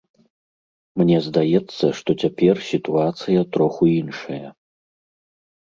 Мне здаецца, што цяпер сітуацыя троху іншая.